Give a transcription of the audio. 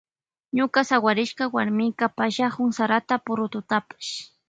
Ñuka sawarishka warmika pallakun sarata purututapash.